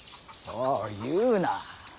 そう言うな。